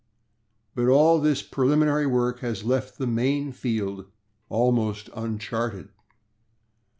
But all this preliminary work has left the main field almost uncharted.